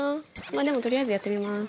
でもとりあえずやってみます。